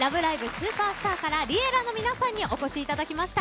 スーパースター！！」からＬｉｅｌｌａ！の皆さんにお越しいただきました。